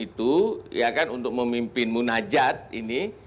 itu ya kan untuk memimpin munajat ini